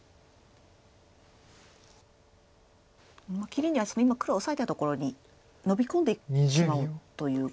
切りには黒オサえたところにノビ込んでしまおうという。